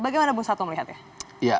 bagaimana bu sabtu melihatnya